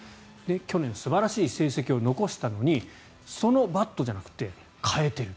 去年素晴らしい成績を残したのにそのバットじゃなくて変えている。